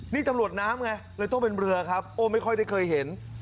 นี่ตำรวจน้ำไงเลยต้องเป็นเรือครับโอ้ไม่ค่อยได้เคยเห็น